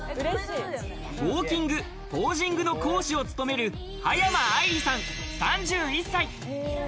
ウオーキング、ポージングの講師を務める葉山愛理さん、３１歳。